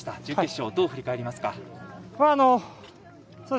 準決勝、どう振り返りますか？